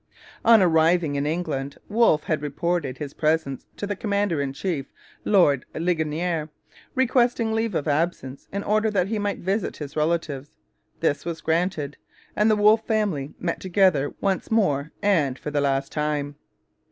On arriving in England Wolfe had reported his presence to the commander in chief, Lord Ligonier, requesting leave of absence in order that he might visit his relatives. This was granted, and the Wolfe family met together once more and for the last time.